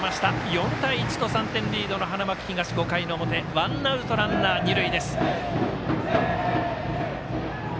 ４対１と３点リードの花巻東５回の表ワンアウト、ランナー、二塁。